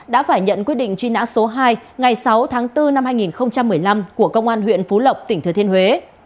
đã phải nhận quyết định truy nã số hai ngày sáu tháng bốn năm hai nghìn một mươi năm của công an huyện phú lộc tỉnh thừa thiên huế